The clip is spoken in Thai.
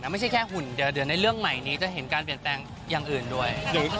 คือน้ำจะเสียหมายไม่ใช่แค่หุ่นเดือดเดือนในเรื่องใหม่นี้จะเห็นการเปลี่ยนแปลงอย่างอื่นด้วย